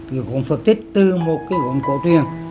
cái gốm phật tịch từ một cái gốm cổ truyền